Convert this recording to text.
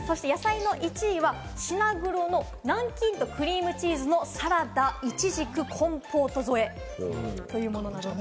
野菜の１位はシナグロの南瓜とクリームチーズのサラダ、イチジクコンポート添えというものなんです。